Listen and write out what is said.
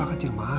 ma ma kecil ma